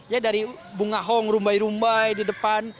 ya dari bunga hong rumbai rumbai di depan